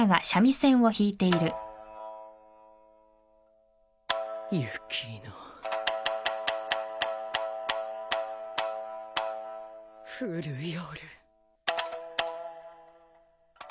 「降る夜」